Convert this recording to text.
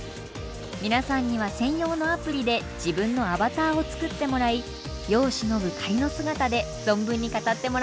皆さんには専用のアプリで自分のアバターを作ってもらい世を忍ぶ仮の姿で存分に語ってもらいたいと思います。